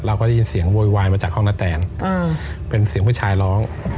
เราก็ได้ยินเสียงโวยวายมาจากห้องนาแตนเป็นเสียงผู้ชายร้อง